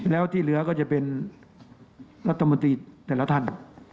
แล้วที่เหลือก็จะเป็นรัฐมนตรีแต่ละท่าน